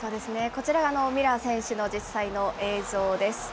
こちら、ミュラー選手の実際の映像です。